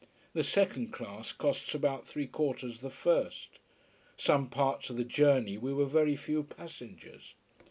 The second class costs about three quarters the first. Some parts of the journey we were very few passengers.